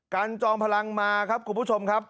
จอมพลังมาครับคุณผู้ชมครับ